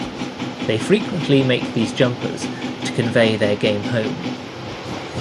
They frequently make these jumpers to convey their game home.